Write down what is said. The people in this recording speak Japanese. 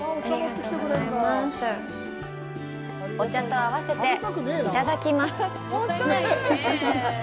お茶と合わせていただきます。